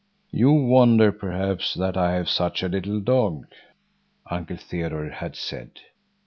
"You wonder, perhaps, that I have such a little dog," Uncle Theodore had said.